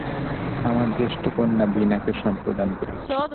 আমার জ্যেষ্ঠ কণ্যা ভীনাকে সম্প্রদান করছি।